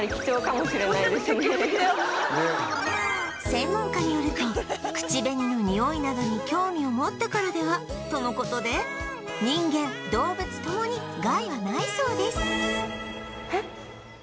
専門家によると口紅のにおいなどに興味を持ったからでは？との事で人間動物ともに害はないそうです